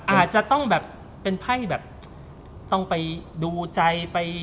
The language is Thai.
อาจจะต้องแบบเป็นไพ่แบบต้องไปดูใจ